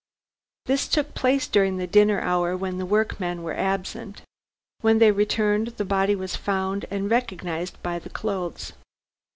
This took place during the dinner hour when the workmen were absent. When they returned, the body was found and recognized by the clothes."